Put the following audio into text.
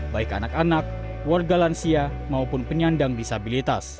baik anak anak warga lansia maupun penyandang disabilitas